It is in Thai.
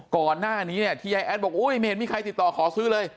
ก่อนหน้านี้เนี่ยที่ยายแอดบอกอุ้ยไม่เห็นมีใครติดต่อขอซื้อเลย